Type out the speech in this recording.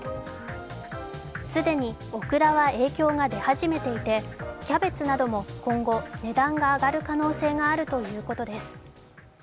既にオクラは影響が出始めていてキャベツなども今後、値段が上がる可能性があるということです。